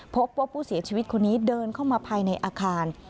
พบว่าผู้เสียชีวิตคนนี้เดินเข้ามาภายในอาคาร